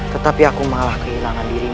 tetapi aku malah kehilangan dirinya